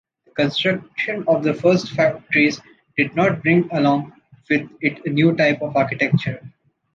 The construction of the first factories did not bring along with it a new type of architecture.